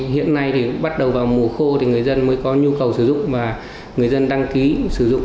hiện nay thì bắt đầu vào mùa khô thì người dân mới có nhu cầu sử dụng và người dân đăng ký sử dụng